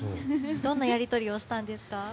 どんなやり取りをしたんですか？